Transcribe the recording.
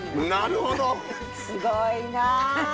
すごいな。